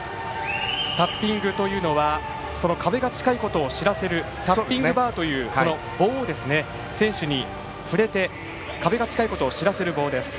タッピングというのは壁が近いことを知らせる知らせるタッピングバーという棒を選手に触れて、壁が近いことを知らせる棒です。